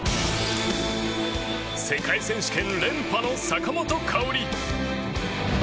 世界選手権連覇の坂本花織。